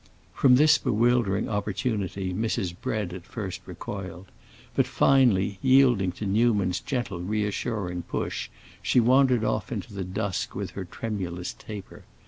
From this bewildering opportunity Mrs. Bread at first recoiled; but finally, yielding to Newman's gentle, reassuring push, she wandered off into the dusk with her tremulous taper.